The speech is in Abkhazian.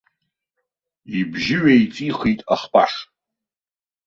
Ибжьы ҩеиҵихит ахпаш.